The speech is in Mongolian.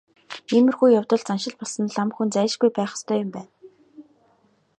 Иймэрхүү явдалд заншил болсон лам хүн зайлшгүй байх ёстой юм байна.